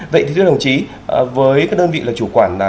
vậy thì thưa đồng chí với đơn vị là chủ quản